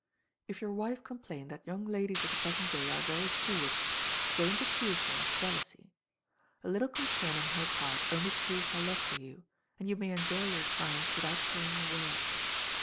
If your wife complain that young ladies of the present day are very forward, don't accuse her of jealousy. A little concern on her part only proves her love for you, and you may enjoy your triumph without saying a word.